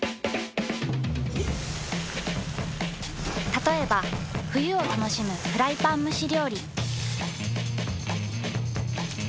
たとえば冬を楽しむフライパン蒸し料理。